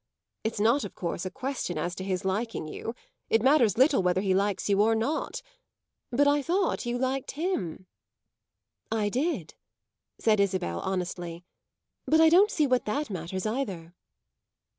It's not of course a question as to his liking you; it matters little whether he likes you or not! But I thought you liked him." "I did," said Isabel honestly. "But I don't see what that matters either."